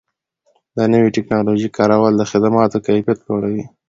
د نوې ټکنالوژۍ کارول د خدماتو کیفیت لوړوي.